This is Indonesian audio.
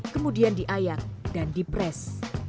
kemudian diayak dan dipres